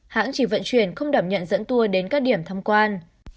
hãng chỉ vận chuyển không đảm nhận dẫn tour đến các điểm thăm quan